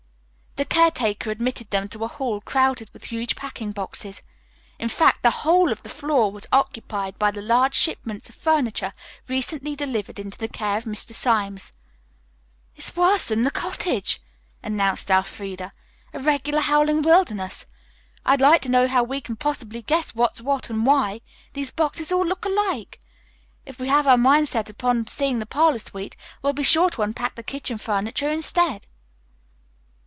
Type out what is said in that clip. The caretaker admitted them to a hall crowded with huge packing boxes. In fact, the whole of the first floor was occupied by the large shipments of furniture recently delivered into the care of Mr. Symes. "It's worse than the cottage," announced Elfreda; "a regular howling wilderness. I'd like to know how we can possibly guess what's what and why. These boxes all look alike. If we have our minds set upon seeing the parlor suite, we'll be sure to unpack the kitchen furniture instead."